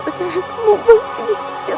aku dulu tahu maka kau tak percaya